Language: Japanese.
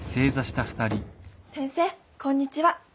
先生こんにちは。